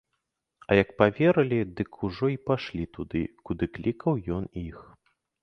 А як паверылі, дык ужо й пайшлі туды, куды клікаў ён іх.